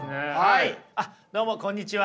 どうもこんにちは。